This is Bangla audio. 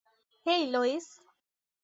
হেই, লোয়িস।